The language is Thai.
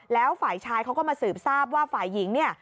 แล้วฝ่ายชายเขาก็มาสืบทราบว่าฝ่ายหญิงเนี่ย